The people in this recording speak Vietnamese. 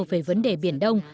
về vấn đề biển đông